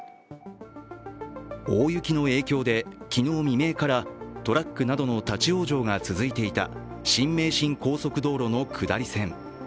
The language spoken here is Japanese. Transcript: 大雪の影響で昨日未明からトラックなどの立往生が続いていた新名神高速道路の下り線。